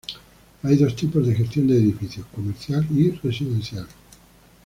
Hay dos tipos de gestión de edificios: comercial y residencial.